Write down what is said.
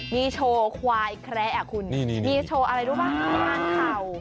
มีโชว์ควายแคระอะคุณมีโชว์อะไรด้วยคะคะมันมาทมีเก่า